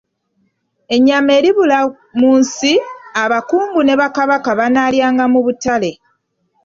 Ennyama eribula mu nsi, Abakungu ne Kabaka banaalyanga mu butale.